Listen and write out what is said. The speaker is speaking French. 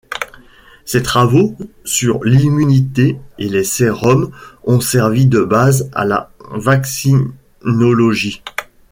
Ses travaux sur l'immunité et les sérums ont servi de base à la vaccinologie.